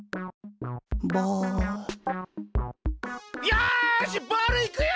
よしボールいくよ！